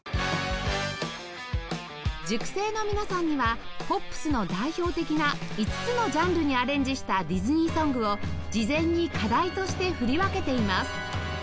塾生の皆さんにはポップスの代表的な５つのジャンルにアレンジしたディズニーソングを事前に課題として振り分けています